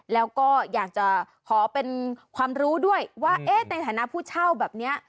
แล้วก็อยากจะขอเป็นความรู้ด้วยว่าในฐานะผู้เช่าแบบนี้